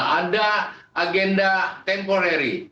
ada agenda temporary